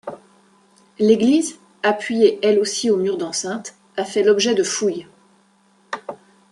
L'église, appuyée elle aussi au mur d'enceinte, a fait l'objet de fouilles.